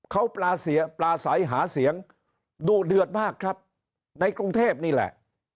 เขาปลาใสหาเสียงดุเดือดมากครับในกรุงเทพนี่แหละ